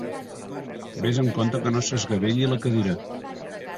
Ves amb compte que no s'esgavelli la cadira.